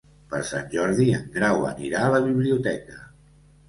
Per Sant Jordi en Grau anirà a la biblioteca.